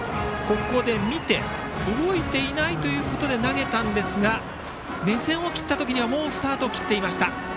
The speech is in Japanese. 見て、動いていないということで投げたんですが目線を切ったときにはもうスタート切っていました。